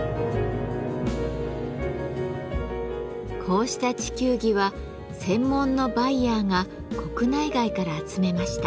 こうした地球儀は専門のバイヤーが国内外から集めました。